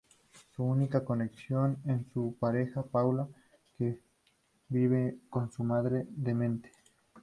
Su única conexión es su pareja Paula, que vive con su madre demente.